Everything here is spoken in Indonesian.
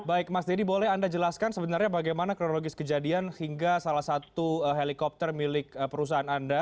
baik mas deddy boleh anda jelaskan sebenarnya bagaimana kronologis kejadian hingga salah satu helikopter milik perusahaan anda